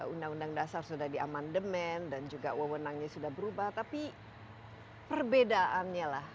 undang undang dasar sudah diamandemen dan juga wawonannya sudah berubah tapi perbedaannya lah